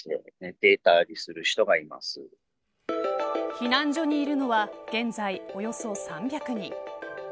避難所にいるのは現在およそ３００人。